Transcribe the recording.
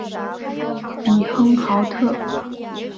比亨豪特。